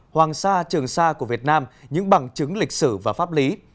hoàng sa trường sa của việt nam những bằng chứng lịch sử và pháp lý